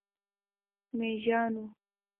میږیانو،